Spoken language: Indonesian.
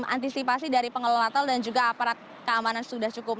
antisipasi dari pengelola tol dan juga aparat keamanan sudah cukup